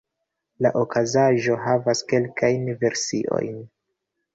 La okazaĵo havas kelkajn versiojn.